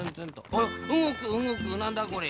あらうごくうごくなんだこれ？